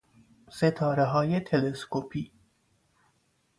ستارههای تلسکوپی